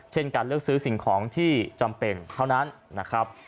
การเลือกซื้อสิ่งของที่จำเป็นเท่านั้นนะครับ